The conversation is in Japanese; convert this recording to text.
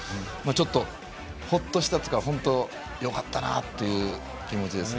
ちょっとほっとしたというか本当よかったなという気持ちです。